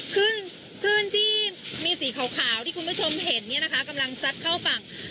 คลื่นที่มีสีขาวที่คุณผู้ชมเห็นเนี่ยนะคะกำลังซัดเข้าฝั่ง